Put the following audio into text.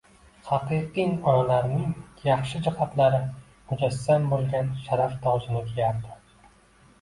haqiqin onalarning yaxshi jihatlari mujassam bo'lgan sharaf tojini kiyardi.